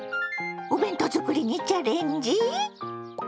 お弁当作りにチャレンジ？